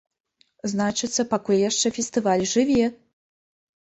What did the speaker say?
Значыцца, пакуль яшчэ фестываль жыве!